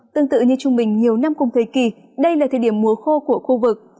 tương tự như trung bình nhiều năm cùng thời kỳ đây là thời điểm mùa khô của khu vực